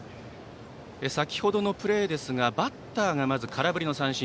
先程のプレーですがバッターが空振り三振。